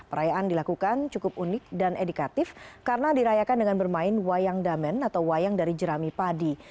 perayaan dilakukan cukup unik dan edukatif karena dirayakan dengan bermain wayang damen atau wayang dari jerami padi